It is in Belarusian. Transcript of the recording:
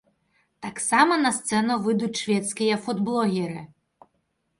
Таксама на сцэну выйдуць шведскія фудблогеры.